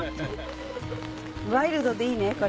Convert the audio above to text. ワイルドでいいねこれ。